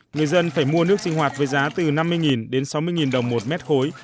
người dân phải mua nước sinh hoạt với giá từ năm mươi đến sáu mươi đồng một mét khối